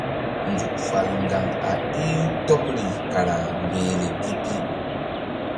Nzuk fal ŋgaŋ a ɗih-u tɔbri kara mbehle gi pi.